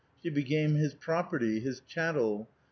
She became his property, his chattel.